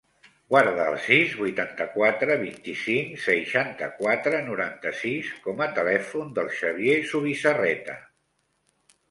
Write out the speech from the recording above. Guarda el sis, vuitanta-quatre, vint-i-cinc, seixanta-quatre, noranta-sis com a telèfon del Xavier Zubizarreta.